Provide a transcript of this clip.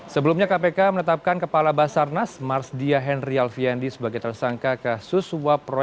sebelumnya kpk menetapkan kepala basar nas marsdia henry alfian dibuka suara setelah ditetapkan kpk sebagai tersangka kasus dugaan korupsi